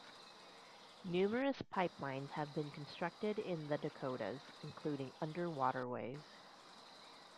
Numerous pipelines have been constructed in the Dakotas, including under waterways.